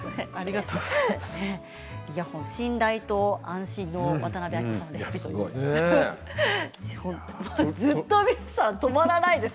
信頼と安心の渡辺あきこさんです。